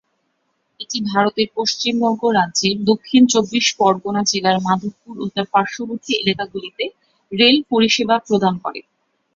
এটি ভারতের পশ্চিমবঙ্গ রাজ্যের দক্ষিণ চব্বিশ পরগনা জেলার মাধবপুর ও তার পার্শ্ববর্তী এলাকাগুলিতে রেল পরিষেবা প্রদান করে।